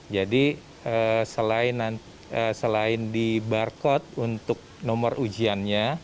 jadi selain di barcode untuk nomor ujian